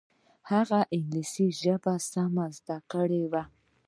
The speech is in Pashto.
هغې انګلیسي ژبه سمه زده کړې وه